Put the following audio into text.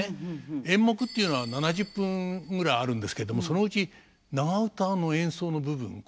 演目っていうのは７０分ぐらいあるんですけれどもそのうち長唄の演奏の部分これが半分近くあるんです。